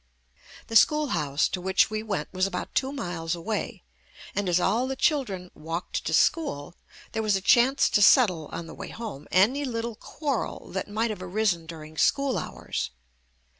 The school house to which we went was about two miles away, and as all the children walked to school there was a chance to settle on the way home any little quarrel that might have arisen dur ing school hours.